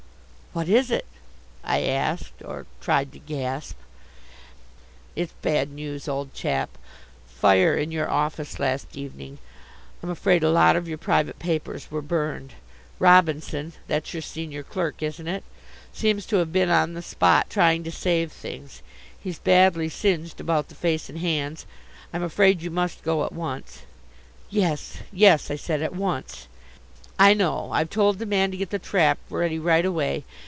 "What is it?" I asked, or tried to gasp. "It's bad news, old chap; fire in your office last evening. I'm afraid a lot of your private papers were burned. Robinson that's your senior clerk, isn't it? seems to have been on the spot trying to save things. He's badly singed about the face and hands. I'm afraid you must go at once." "Yes, yes," I said, "at once." "I know. I've told the man to get the trap ready right away.